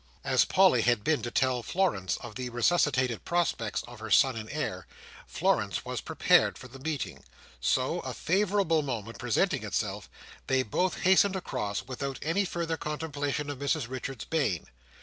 As Polly had been to tell Florence of the resuscitated prospects of her son and heir, Florence was prepared for the meeting: so, a favourable moment presenting itself, they both hastened across, without any further contemplation of Mrs Richards's bane.